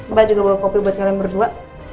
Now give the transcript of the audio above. bapak juga bawa kopi buat kalian berdua